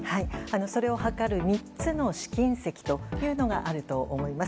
それを図る３つの試金石というのがあると思います。